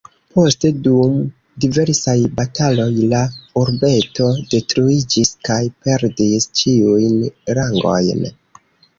Poste dum diversaj bataloj la urbeto detruiĝis kaj perdis ĉiujn rangojn.